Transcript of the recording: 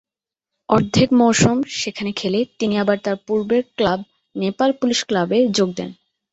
অর্ধেক মৌসুম সেখানে খেলে তিনি আবার তার পূর্বের ক্লাব নেপাল পুলিশ ক্লাবে যোগ দেন।